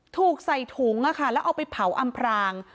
ถูกใส่ถุงแล้วเอาไปเผาอำพราง